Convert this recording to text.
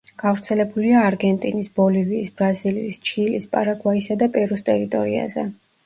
გავრცელებულია არგენტინის, ბოლივიის, ბრაზილიის, ჩილის, პარაგვაისა და პერუს ტერიტორიაზე.